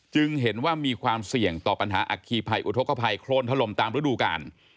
จึงเห็นว่ามีความเสี่ยงต่อปัญหาอัคคีภัยอุทธกภัยโครนถล่มตามฤดูกาล